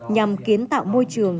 nhằm kiến tạo môi trường